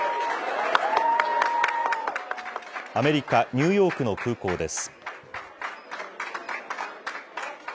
アメリカ・ニューヨークの空港です。